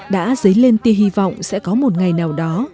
đã dấy lên tia hy vọng sẽ có một ngày nào đó